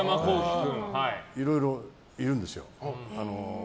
いろいろいるんですよ。